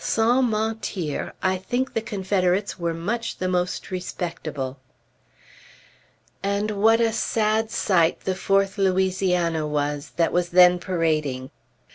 Sans mentir, I think the Confederates were much the most respectable. And what a sad sight the Fourth Louisiana was, that was then parading!